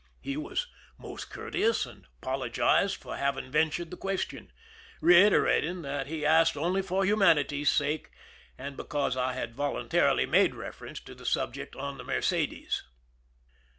He was most courteous, and apolo gized for having ventured the question, reiterating that he asked only for humanity's sake and because I had voluntarily made reference to the subject on the Mercedes.